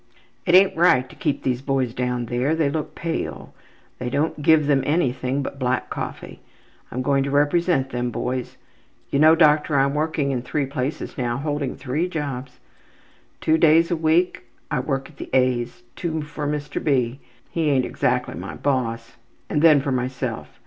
``It ain't right to keep these boys down there. They look pale. They don't give them anything but black coffee. I'm going to represent them boys. You know, doctor, I'm working in three places now holding three jobs. Two days in the week I work for the A's, two for Mr. B. he ain't exactly my boss and then for myself.